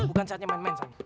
bukan saatnya main main sama